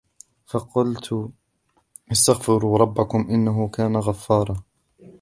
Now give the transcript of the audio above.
فَقُلْتُ اسْتَغْفِرُوا رَبَّكُمْ إِنَّهُ كَانَ غَفَّارًا